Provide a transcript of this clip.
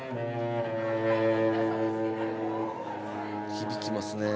「響きますね」